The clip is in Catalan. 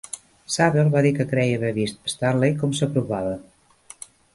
Sabel va dir que creia haver vist Stanley com s'apropava.